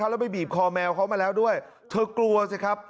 แล้วไปบีบคอแมวเขามาแล้วด้วยเธอกลัวสิครับ